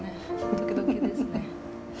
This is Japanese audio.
時々ですね。